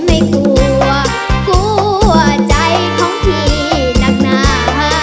ไม่กลัวกลัวใจของพี่นักหนา